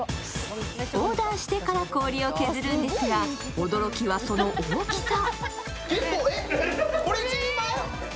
オーダーしてから氷を削るんですが、驚きはその大きさ。